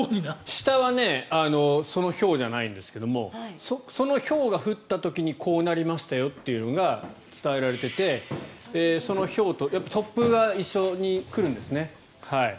下はそのひょうじゃないんですけどそのひょうが降った時にこうなりましたよというのが伝えられていてそのひょうと突風が一緒に来るんですね。